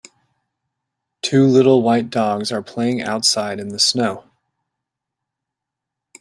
Two little white dogs are playing outside in the snow.